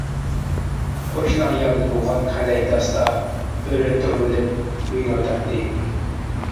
قوشنا ئايال يوغان قەلەي داستا ئۆرە تۇرۇۋېلىپ يۇيۇنۇۋاتاتتى.